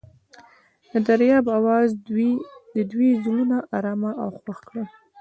د دریاب اواز د دوی زړونه ارامه او خوښ کړل.